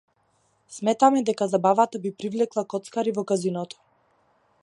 Сметаме дека забавата би привлекла коцкари во казиното.